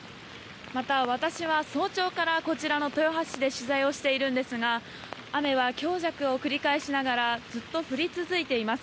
また、私は早朝からこちらの豊橋市で取材をしているんですが雨は強弱を繰り返しながらずっと降り続いています。